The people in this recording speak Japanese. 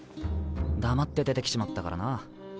黙って出てきちまったからな。